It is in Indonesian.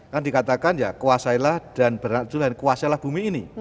kan dikatakan ya kuasailah dan kuasailah bumi ini